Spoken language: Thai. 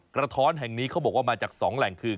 กระท้อนแห่งนี้เขาบอกว่ามาจาก๒แหล่งคือ